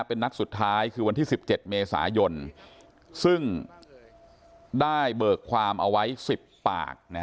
เป็นนัดสุดท้ายคือวันที่สิบเจ็ดเมษายนซึ่งได้เบิกความเอาไว้สิบปากนะฮะ